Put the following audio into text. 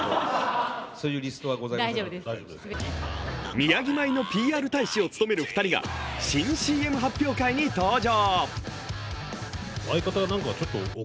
みやぎ米のＰＲ大使を務める２人が新ＣＭ発表会に登場。